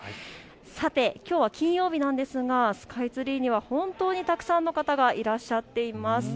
きょうは金曜日なんですがスカイツリーには本当にたくさんの方がいらっしゃっています。